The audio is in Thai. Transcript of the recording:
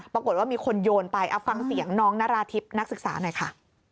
ปรากฏว่ามีคนโยนไปเอาฟังเสียงน้องนาราธิบนักศึกษาหน่อยค่ะ